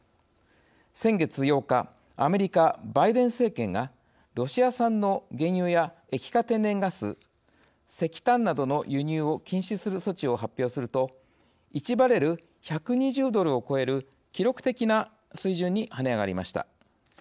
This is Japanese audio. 先月８日アメリカバイデン政権がロシア産の原油や液化天然ガス石炭などの輸入を禁止する措置を発表すると１バレル１２０ドルを超える記録的な水準に跳ね上がりました。